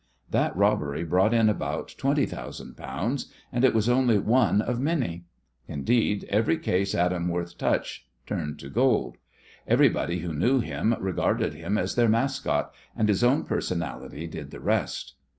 That robbery brought in about twenty thousand pounds, and it was only one of many. Indeed, every case Adam Worth touched turned to gold. Everybody who knew him regarded him as their mascot, and his own personality did the rest.